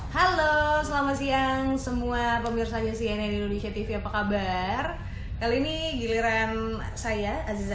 halo selamat siang semua pemirsa cnn indonesia tv apa kabar kali ini giliran saya aziza